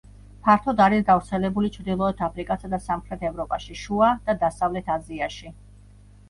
ფართოდ არის გავრცელებული ჩრდილოეთ აფრიკასა და სამხრეთ ევროპაში, შუა და დასავლეთ აზიაში.